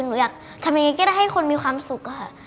หนูอยากทำยังไงก็ได้ให้คนมีความสุขอะค่ะ